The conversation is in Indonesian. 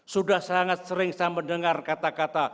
sudah sangat sering saya mendengar kata kata